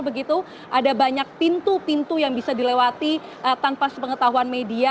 begitu ada banyak pintu pintu yang bisa dilewati tanpa sepengetahuan media